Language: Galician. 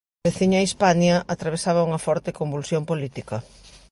A veciña Hispania atravesaba unha forte convulsión política.